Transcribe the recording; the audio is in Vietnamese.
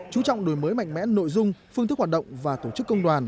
chú trọng đổi mới mạnh mẽ nội dung phương thức hoạt động và tổ chức công đoàn